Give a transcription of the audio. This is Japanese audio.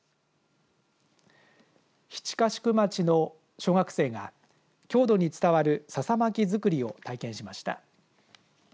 七ヶ宿町の小学生が郷土に伝わるささ巻き作りを体験しました。